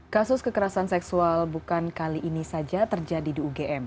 kasus kekerasan seksual bukan kali ini saja terjadi di ugm